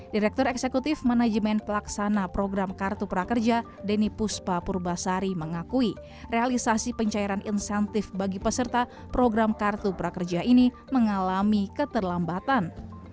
direktur eksekutif manajemen pelaksana program kartu prakerja deni puspa purbasari mengakui realisasi pencairan insentif bagi peserta program kartu prakerja ini mengalami keterlambatan